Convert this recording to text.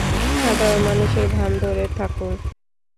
সাধারণ মানুষের ভান ধরে থাকুন।